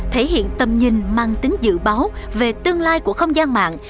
thể hiện tầm nhìn mang tính dự báo về tương lai của không gian mạng